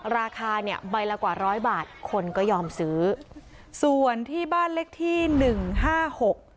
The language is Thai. ราคาเนี่ยใบละกว่าร้อยบาทคนก็ยอมซื้อส่วนที่บ้านเลขที่หนึ่งห้าหก